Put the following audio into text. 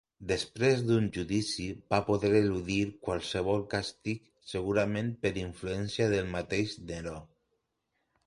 Després d'un judici va poder eludir qualsevol càstig segurament per influència del mateix Neró.